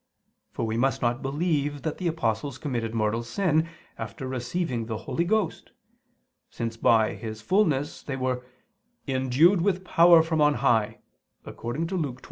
For we must not believe that the apostles committed mortal sin after receiving the Holy Ghost: since by His fulness they were "endued with power from on high" (Luke 24:49).